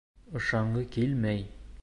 Ышанғы килмәй!